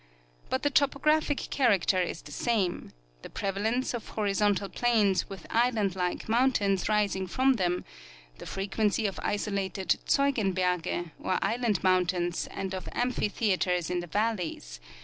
But the topographic character is the same : the prevalence of hori zontal plains with island like mountains rising from them; the frequency of isolated " Zeugenberge,'' or island mountains and of amphitheaters in the valleys